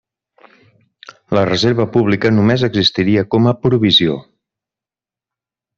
La reserva pública només existiria com a provisió.